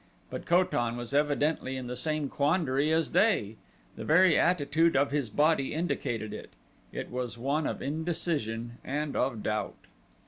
But Ko tan was evidently in the same quandary as they the very attitude of his body indicated it it was one of indecision and of doubt.